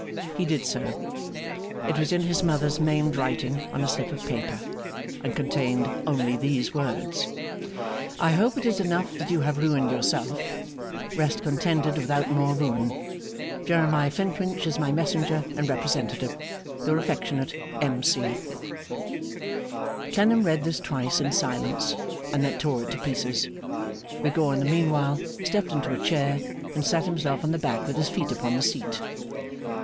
He did so. It was in his mother's maimed writing, on a slip of paper, and contained only these words: 'I hope it is enough that you have ruined yourself. Rest contented without more ruin. Jeremiah Flintwinch is my messenger and representative. Your affectionate M. C.' Clennam read this twice, in silence, and then tore it to pieces. Rigaud in the meanwhile stepped into a chair, and sat himself on the back with his feet upon the seat.